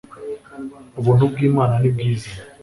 Ubuntu bw Imana nibwiza.